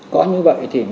có như vậy thì